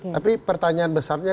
tapi pertanyaan besarnya